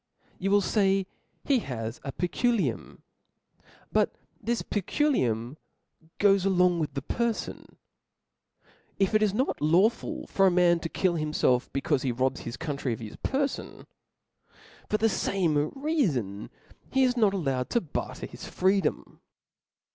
You will fay he has a peculium. But this pecu r liute goes s^ong ^vitb his perfon. If it is not law ful for a nian to. kill himfelf, becaufe he robs his country of his, perfon,, for the fame reafon he is nc)t allowed to barter his freedom.